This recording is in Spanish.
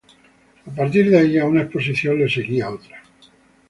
A partir de ahí a una exposición le seguía otra.